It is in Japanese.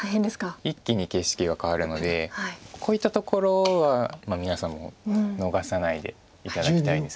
一気に景色が変わるのでこういったところは皆さんも逃さないで頂きたいです。